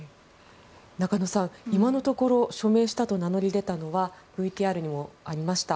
中野さん、今のところ署名したと名乗り出たのはＶＴＲにもありました